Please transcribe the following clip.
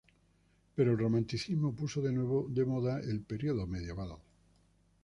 Pero el romanticismo puso de nuevo de moda el periodo medieval.